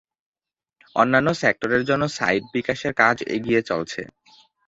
অন্যান্য সেক্টরের জন্য সাইট বিকাশের কাজ এগিয়ে চলছে।